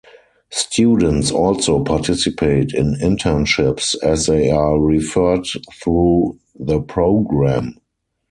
Students also participate in internships as they are referred through the program.